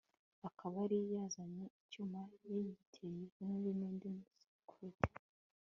akaba yari yazanye icyuma yagiteye Henry nundi musecurite